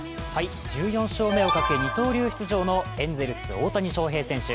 １４勝目を懸け二刀流出場のエンゼルス・大谷翔平選手。